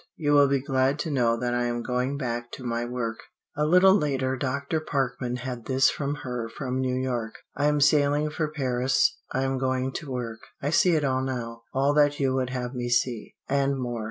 You will be glad to know that I am going back to my work." A little later Dr. Parkman had this from her from New York: "I am sailing for Paris. I am going to work. I see it all now; all that you would have me see, and more.